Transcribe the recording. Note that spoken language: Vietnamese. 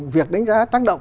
việc đánh giá tác động